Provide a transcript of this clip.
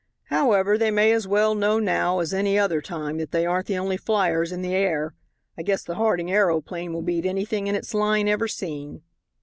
However, they may as well know now as any other time that they aren't the only fliers in the air. I guess the Harding aeroplane will beat anything in its line ever seen."